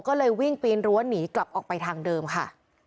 ก็เลยวิ่งปีนรั้วหนีกลับออกไปทางเดิมค่ะ